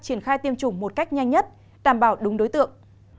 triển khai tiêm chủng một cách nhanh nhất đảm bảo đúng đối tượng